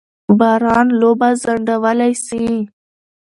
باران لوبه ځنډولای سي.